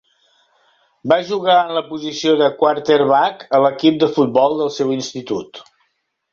Va jugar en la posició de quarterback a l'equip de futbol del seu institut.